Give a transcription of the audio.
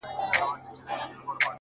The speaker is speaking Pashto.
• نیکه د ژمي په اوږدو شپو کي کیسې کولې,